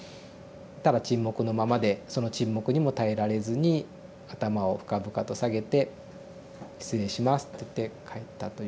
ただ沈黙のままでその沈黙にも耐えられずに頭を深々と下げて「失礼します」っていって帰ったという経験がありました。